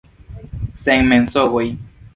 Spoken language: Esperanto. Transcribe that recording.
Sen mensogoj!